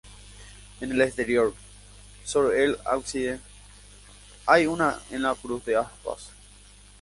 En el exterior, sobre el ábside, hay una en la cruz de aspas.